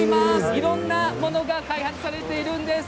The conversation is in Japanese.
いろんなものが開発されているんです。